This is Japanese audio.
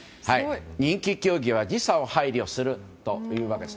人気競技は時差を配慮するというわけです。